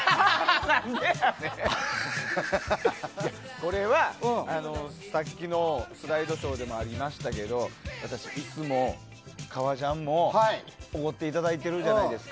これは、さっきのスライドショーでもありましたけど私、椅子も革ジャンもおごっていただいているじゃないですか。